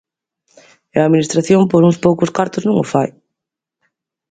E a administración, por uns poucos cartos, non o fai.